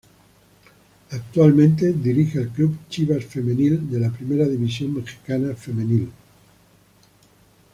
Actualmente, dirige al club Chivas Femenil, de la Primera División Mexicana Femenil